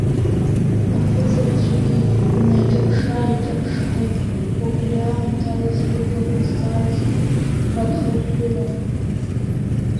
Аԥызаҩцәагьы инеиҿаԥшы-ааиҿаԥшқәеит, убри аламҭалаз рыблақәа зҵаара заҵәык рхыҳәҳәыла.